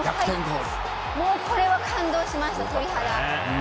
これは感動しました、鳥肌。